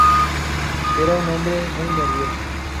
Era un hombre muy nervioso.